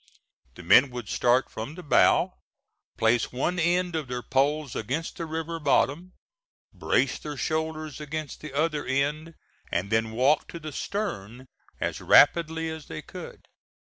The men would start from the bow, place one end of their poles against the river bottom, brace their shoulders against the other end, and then walk to the stern as rapidly as they could.